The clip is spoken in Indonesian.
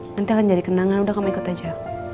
nanti akan jadi kenangan udah kamu ikut aja